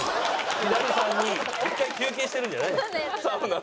一回休憩してるんじゃないんですよ。